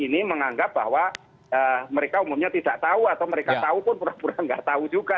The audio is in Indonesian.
ini menganggap bahwa mereka umumnya tidak tahu atau mereka tahu pun pura pura nggak tahu juga